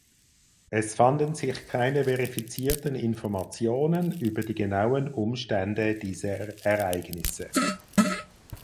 Es fanden sich keine verifizierten Informationen über die genauen Umstände dieser Ereignisse.